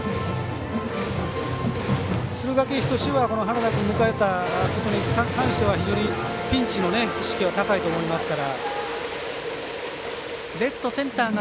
敦賀気比としては原田君を迎えたことに関しては非常にピンチの意識は高いと思いますから。